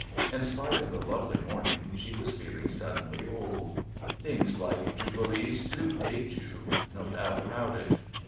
In spite of the lovely morning she was feeling suddenly old. Things like Jubilees do date you no doubt about it.